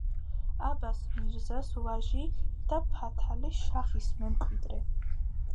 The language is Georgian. აბას-მირზას ვაჟი და ფათალი-შაჰის მემკვიდრე.